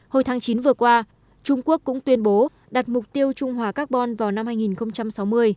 hồi tháng chín vừa qua trung quốc cũng tuyên bố đặt mục tiêu trung hòa carbon vào năm hai nghìn sáu mươi